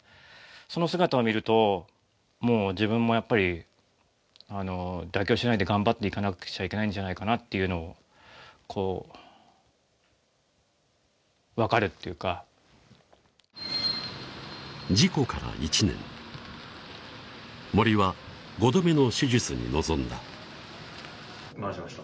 その姿を見るともう自分もやっぱりあの妥協しないで頑張っていかなくちゃいけないんじゃないかなっていうのをこう分かるっていうか事故から１年森は５度目の手術に臨んだ回しました